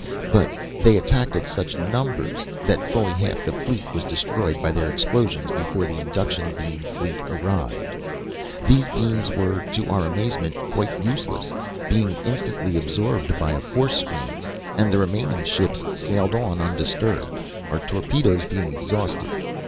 But, they attacked at such numbers that fully half the fleet was destroyed by their explosions before the induction beam fleet arrived. These beams were, to our amazement, quite useless, being instantly absorbed by a force screen, and the remaining ships sailed on undisturbed, our torpedoes being exhausted.